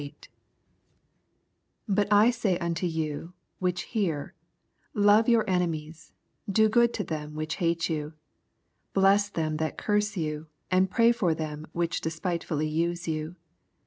27 But I say unto you which hear, Love your enemies, do good to them which hate you, 28 Bless them that curse you, and pray for them which despiteiolly use you.